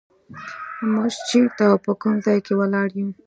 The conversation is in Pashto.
موږ چېرته او په کوم ځای کې ولاړ یو.